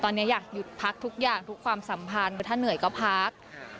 ตอนนี้อยากหยุดพักทุกอย่างทุกความสัมพันธ์ถ้าเหนื่อยก็พัก